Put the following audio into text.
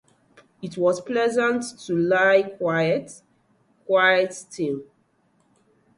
It was pleasant to lie quite, quite still.